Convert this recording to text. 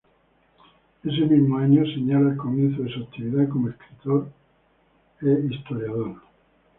Ese mismo año señala el comienzo de su actividad como escritor e historiador.